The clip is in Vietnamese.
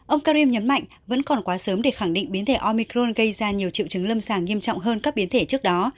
ông karim nhấn mạnh vẫn còn quá sớm để khẳng định biến thể omicron gây ra nhiều triệu chứng lâm sàng nghiêm trọng hơn các biến thể trước đó